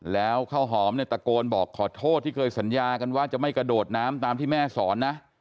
แล้วข้าวหอมเนี่ยตะโกนบอกขอโทษที่เคยสัญญากันว่าจะไม่กระโดดน้ำตามที่แม่สอนนะ